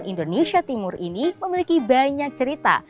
indonesia timur ini memiliki banyak cerita